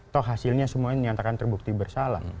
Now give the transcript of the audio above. toh hasilnya semuanya dinyatakan terbukti bersalah